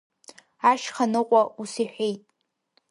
Ашьханыҟәа ус иҳәеит…